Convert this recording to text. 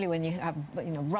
ya terutama ketika ada